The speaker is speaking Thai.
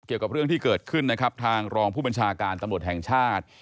เกี่ยวกับเรื่องที่เกิดขึ้นนะครับทางรองผู้บัญชาการตำรวจแห่งชาติ